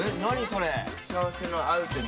それ。